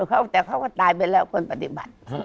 แต่เขาก็ตายไปแล้วคนปฏิบัติ